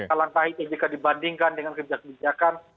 hal hal pahit itu dibandingkan dengan kebijakan